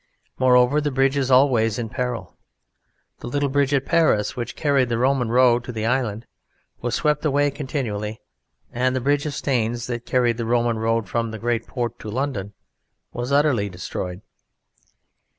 Moreover, the bridge is always in peril. The little bridge at Paris which carried the Roman road to the island was swept away continually; and the bridge of Staines that carried the Roman road from the great port to London was utterly destroyed.